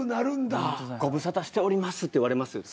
「ご無沙汰しております」って言われますよ。